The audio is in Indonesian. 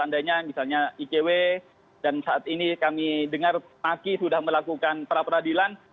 dan misalnya ikw dan saat ini kami dengar aki sudah melakukan perapradilan